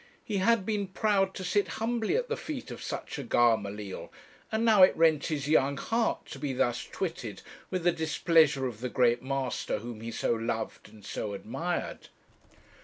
He had been proud to sit humbly at the feet of such a Gamaliel; and now it rent his young heart to be thus twitted with the displeasure of the great master whom he so loved and so admired.